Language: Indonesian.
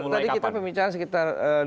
kalau tadi kita pembincangan sekitar